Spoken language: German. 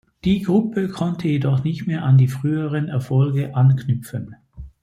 Die Gruppe konnte jedoch nicht mehr an die früheren Erfolge anknüpfen.